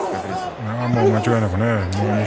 間違いなく錦